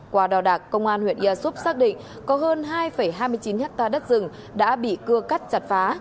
qua đào đạc công an huyện ia súp xác định có hơn hai hai mươi chín hectare đất rừng đã bị cưa cắt chặt phá